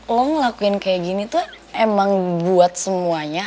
lo ngelakuin kayak gini tuh emang buat semuanya